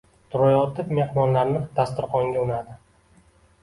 Turayotib, mehmonlarni dasturxonga unnadi